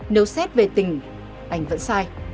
nếu xét về tình anh vẫn sai